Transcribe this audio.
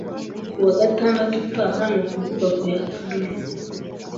Ku wa gatandatu utaha, ni ukuvuga ku ya Kanama